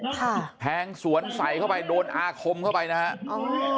แทงสวนใส่เข้าไปโดนอาคมเข้าไปนะฮะ